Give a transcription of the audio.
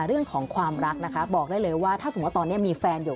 เรื่องของความรักนะคะบอกได้เลยว่าถ้าสมมุติตอนนี้มีแฟนอยู่